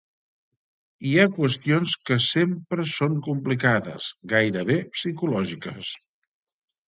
Hi ha qüestions que sempre són complicades, gairebé psicològiques.